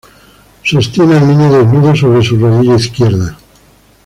Sostiene al niño desnudo sobre su rodilla izquierda.